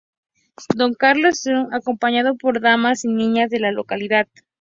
Don Carlos L. Thays, acompañado por damas y niñas de la localidad".